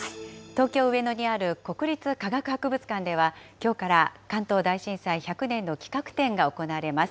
東京・上野にある国立科学博物館では、きょうから関東大震災１００年の企画展が行われます。